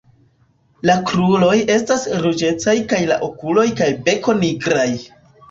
La kruroj estas ruĝecaj kaj la okuloj kaj beko nigraj.